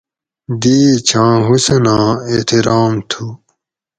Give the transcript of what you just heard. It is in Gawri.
دی ای چھاں حُسناں احترام تُھو